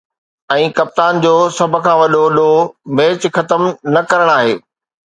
۽ ڪپتان جو سڀ کان وڏو ”ڏوهه“ ميچ ختم نه ڪرڻ آهي